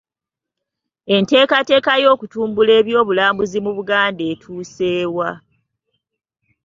Enteekateeka y'okutumbula eby'obulambuzi mu Buganda etuuse wa?